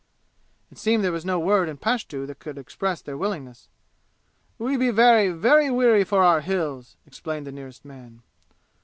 It seemed there was no word in Pashtu that could express their willingness. "We be very, very weary for our Hills!" explained the nearest man.